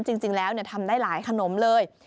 จริงแล้วทำได้หลายขนมเลย